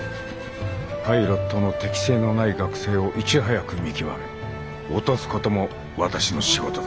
パイロットの適性のない学生をいち早く見極め落とすことも私の仕事だ。